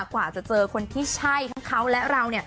กว่าจะเจอคนที่ใช่ทั้งเขาและเรา